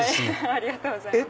ありがとうございます。